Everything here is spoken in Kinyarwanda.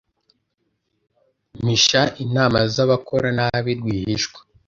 mpisha inama z abakora nabi rwihishwa